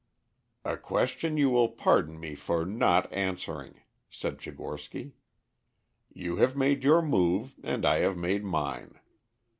"A question you will pardon me for not answering," said Tchigorsky. "You have made your move and I have made mine.